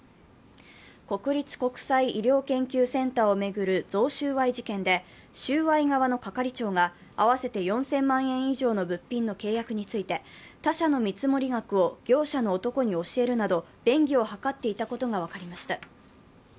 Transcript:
国立国際医療研究センターを巡る贈収賄事件で収賄側の係長が合わせて４０００万円以上の物品の契約について、他社の見積額を業者の男に教えるなど便宜を図っていたことが分かりました。